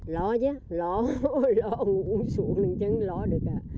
lo chứ lo lo uống xuống chẳng lo được à